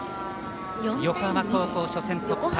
横浜高校、初戦突破。